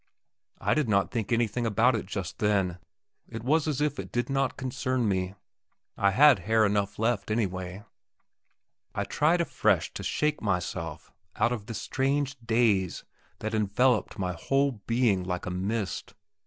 I did not think anything about it just then; it was as if it did not concern me. I had hair enough left, anyway. I tried afresh to shake myself out of this strange daze that enveloped my whole being like a mist.